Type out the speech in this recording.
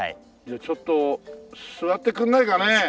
じゃあちょっと座ってくれないかね！？